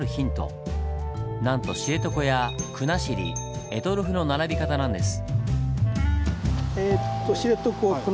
なんと知床や国後択捉の並び方なんです。